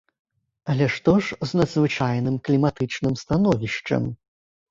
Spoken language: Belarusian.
Але што ж з надзвычайным кліматычным становішчам?